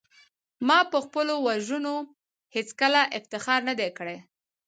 ما په خپلو وژنو هېڅکله افتخار نه دی کړی